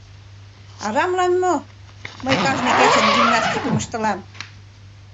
— Арамлан мо мый кажне кечын гимнастикым ыштылам.